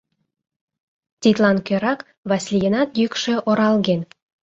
— Тидлан кӧрак Васлийынат йӱкшӧ оралген.